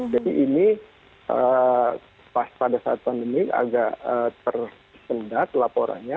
jadi ini pada saat pandemi agak tersendat laporannya